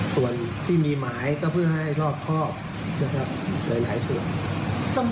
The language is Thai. ส่วนที่มีหมายก็เพื่อให้รอบครอบนะครับหลายส่วน